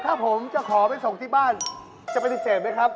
ถ้าผมจะขอไปส่งที่บ้านจะปฏิเสธไหมครับ